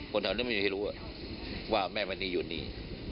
คนแถวนั้นไม่มีใครรู้ว่าแม่มณีอยู่นี่